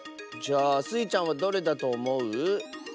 じゃあスイちゃんはどれだとおもう？